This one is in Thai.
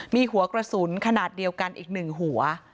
มีหัวกระสุนขนาดเดียวกันอีก๑หัว